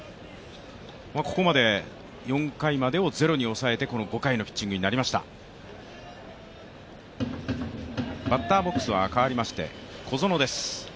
ここまで、４回までを０に抑えてこの５回のピッチングになりましたバッターボックスはかわりまして小園です。